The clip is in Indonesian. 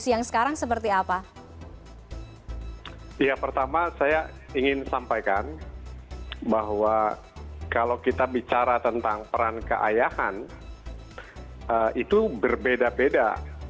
yang pertama saya ingin sampaikan bahwa kalau kita bicara tentang peran keayahan itu berbeda beda